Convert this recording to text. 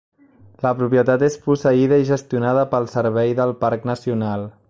La propietat és posseïda i gestionada pel Servei del Parc Nacional.